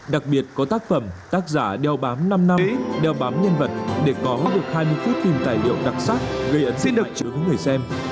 đặc biệt có tác phẩm tác giả đeo bám năm năm đeo bám nhân vật để có mất được hai mươi phút phim tài liệu đặc sắc gây ấn xin đậm cho những người xem